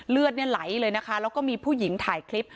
เลือดเนี่ยไหลเลยนะคะแล้วก็มีผู้หญิงถ่ายคลิป